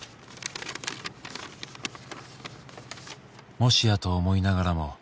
「もしやと思いながらも」